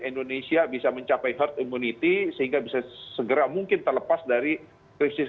indonesia bisa mencapai herd immunity sehingga bisa segera mungkin terlepas dari krisis